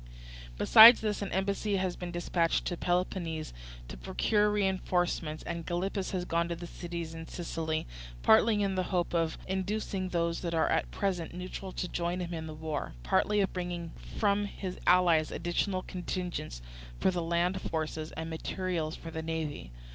"Besides this, an embassy has been dispatched to Peloponnese to procure reinforcements, and Gylippus has gone to the cities in Sicily, partly in the hope of inducing those that are at present neutral to join him in the war, partly of bringing from his allies additional contingents for the land forces and material for the navy.